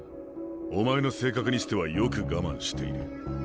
お前の性格にしてはよく我慢している。